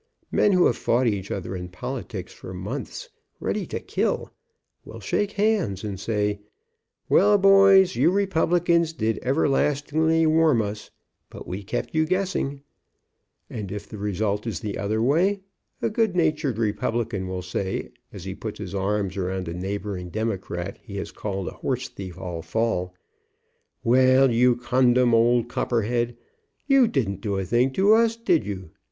Men who have fought each other in politics for months, ready to kill, will shake hands and say, ''Well, boys, you Republicans did everlastingly warm us, but .\ve kept you guessing," and if the result is the other way a geod natured Republican will say, as he puts his arms around a neighboring Democrat he has called a horsethief all the fall, "Well, you condum old copper head, you didn't do a thing to us, did you